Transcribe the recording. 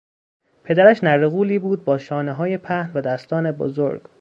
پدرش نره غولی بود با شانههای پهن و دستان بزرگ.